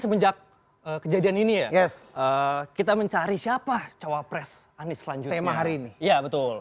semenjak kejadian ini ya kita mencari siapa cawapres anies selanjutnya tema hari ini ya betul